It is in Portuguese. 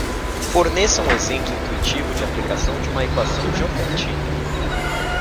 Forneça um exemplo intuitivo de aplicação de uma equação Diofantina.